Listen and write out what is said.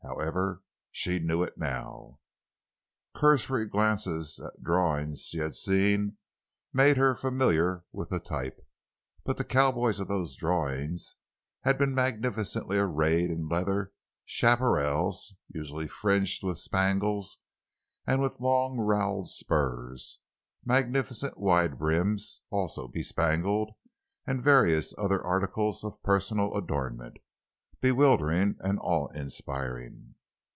However, she knew it now. Cursory glances at drawings she had seen made her familiar with the type, but the cowboys of those drawings had been magnificently arrayed in leather chaparajos, usually fringed with spangles; and with long roweled spurs; magnificent wide brims—also bespangled, and various other articles of personal adornment, bewildering and awe inspiring.